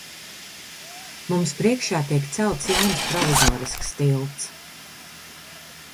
Mums priekšā tiek celts jauns provizorisks tilts.